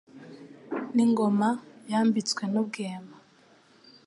N' ingoma yambitswe n' ubwema